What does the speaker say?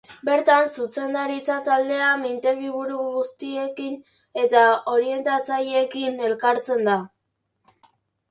Bertan, zuzendaritza taldea mintegi-buru guztiekin eta orientatzailearekin elkartzen da.